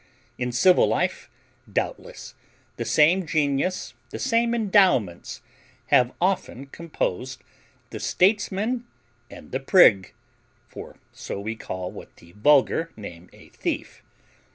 In civil life, doubtless, the same genius, the same endowments, have often composed the statesman and the prig, for so we call what the vulgar name a thief.